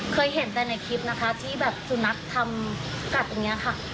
เคยเห็นแต่ในคลิปนะคะที่แบบสุนัขทำกัดตรงนี้ค่ะ